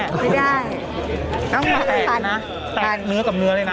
ไม่ได้ต้องมาแข็งเนื้อกับเนื้อเลยนะ